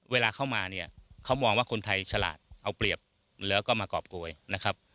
เวลาเข้ามาเนี่ยเขามองว่าคนไทยฉลาดเอาเปรียบแล้วก็มากรอบโกยนะครับ